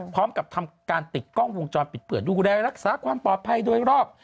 พร้อมกับทำการติดกล้องวงจรปิดเผื่อดูแลรักษาความปลอดภัยโดยรอบ